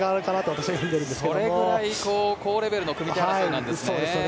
それぐらい高レベルの組み手なんですね。